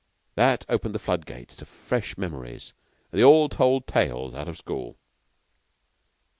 That opened the flood gates of fresh memories, and they all told tales out of school.